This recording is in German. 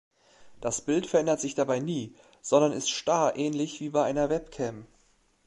Das Bild verändert sich dabei nie, sondern ist starr ähnlich wie bei einer Webcam.